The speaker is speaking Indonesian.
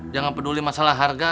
jangan peduli masalah harga